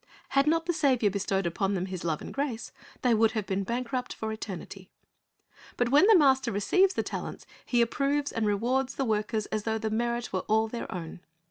Had not the Saviour bestowed upon them His love and grace, they would have been bankrupt for eternity. But when the Master receives the talents, He approves and rewards the workers as though the merit were all their own.